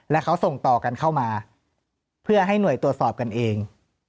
และเขาส่งต่อกันเข้ามาเพื่อให้หน่วยตรวจสอบกันเอง